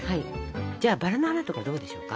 じゃあバラの花とかどうでしょうか？